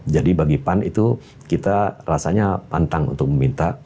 jadi bagi pan itu kita rasanya pantang untuk meminta